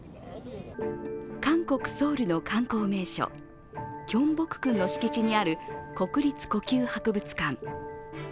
韓国・ソウルの観光名所キョンボックンの敷地にある国立古宮博物館。